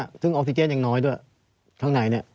ซึ่งออกซิเจนยังน้อยด้วยข้างในเนี่ย